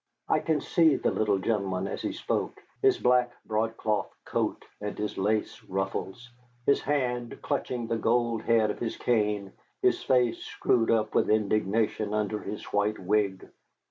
I can see the little gentleman as he spoke, his black broadcloth coat and lace ruffles, his hand clutching the gold head of his cane, his face screwed up with indignation under his white wig.